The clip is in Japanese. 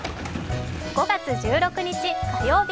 ５月１６日火曜日。